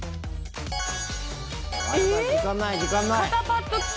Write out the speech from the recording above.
時間ない、時間ない！